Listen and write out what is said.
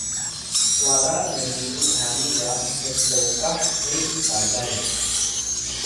kwara nni’un hani ga pslokah he calay